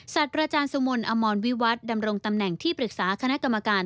สัตว์ราชาญสมลอมรวิวัฒน์ดำรงตำแหน่งที่เปรียกษาคณะกรรมการ